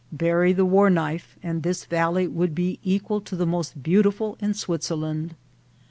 Bury the war knife, and this valley would be equal to the most beautiful in Switzerland.